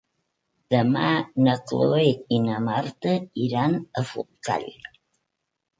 Demà na Cloè i na Marta iran a Forcall.